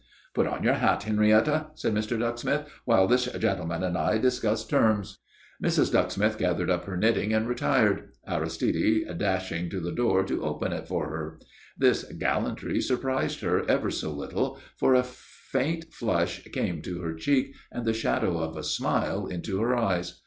"Put on your hat, Henrietta," said Mr. Ducksmith, "while this gentleman and I discuss terms." Mrs. Ducksmith gathered up her knitting and retired, Aristide dashing to the door to open it for her. This gallantry surprised her ever so little, for a faint flush came into her cheek and the shadow of a smile into her eyes.